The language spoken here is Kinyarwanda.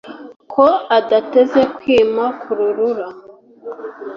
ko adateze kwima "rukurura",